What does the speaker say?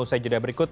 usai jeda berikut